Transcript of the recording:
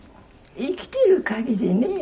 「生きてる限りね